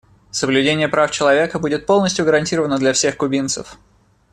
Соблюдение прав человека будет полностью гарантировано для всех кубинцев.